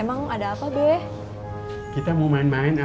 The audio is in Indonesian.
emang ada apa deh kita mau main main ya